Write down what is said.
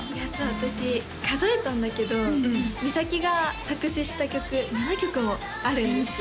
私数えたんだけど美咲が作詞した曲７曲もあるんですよ